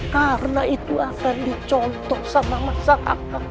karena itu akan dicontoh sama masyarakat